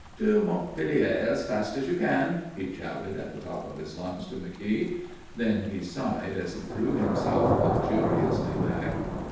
"To Montpellier, as fast as you can!" he shouted at the top of his lungs to McKeogh. Then he sighed as he threw himself luxuriously back.